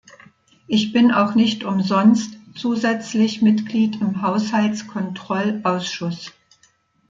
Ich bin auch nicht umsonst zusätzlich Mitglied im Haushaltskontrollausschuss.